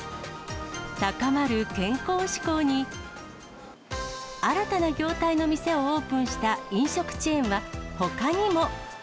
高まる健康志向に、新たな業態の店をオープンした飲食チェーンはほかにも。